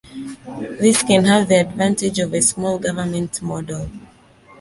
This can have the advantage of a "small-government model".